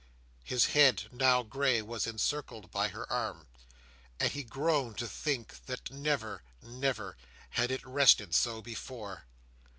His head, now grey, was encircled by her arm; and he groaned to think that never, never, had it rested so before.